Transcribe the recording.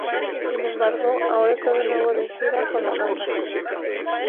Sin embargo ahora está de nuevo de gira con la banda.